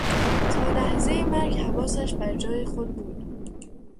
تا لحظهی مرگ حواسش بر جای خود بود.